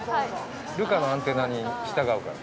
留伽のアンテナに従うから。